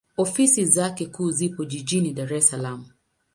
Ofisi zake kuu zipo Jijini Dar es Salaam.